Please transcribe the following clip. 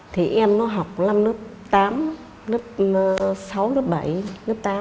thì em nó học năm lớp tám lớp sáu lớp bảy lớp tám